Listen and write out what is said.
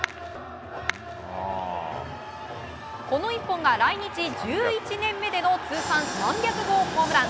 この一本が来日１１年目での通算３００号ホームラン！